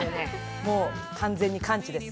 もう完全に完治です。